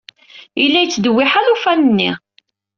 Yella yettdewwiḥ alufan-nni.